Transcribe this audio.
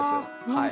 はい。